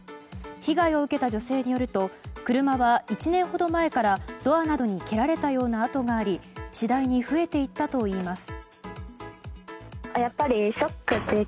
被害を受けた女性によると車は１年ほど前からドアなど蹴られたような跡があり次第に増えていったといいます。